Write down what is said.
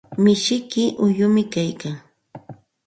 Mishiyki uyumi kaykan.